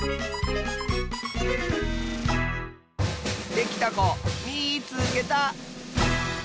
できたこみいつけた！